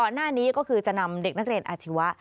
หน้านี้ก็คือจะนำเด็กนักเรียนอาชีวะ